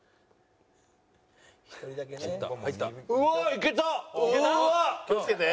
いけた！